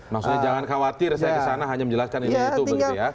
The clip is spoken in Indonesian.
maksudnya jangan khawatir saya kesana hanya menjelaskan ini itu begitu ya